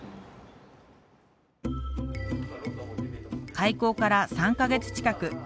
開校から３か月近く。